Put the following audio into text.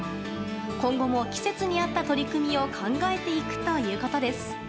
今後も季節に合った取り組みを考えていくということです。